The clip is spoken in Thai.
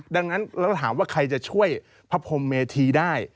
ดังนั้นแล้วถามว่าใครจะช่วยพระพรมเมธีได้